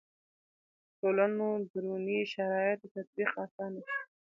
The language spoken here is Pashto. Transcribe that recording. ټولنو دروني شرایطو تطبیق اسانه شي.